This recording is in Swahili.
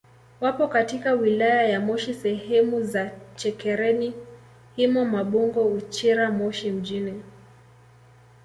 Wapo katika wilaya ya Moshi sehemu za Chekereni Himo Mabungo Uchira Moshi mjini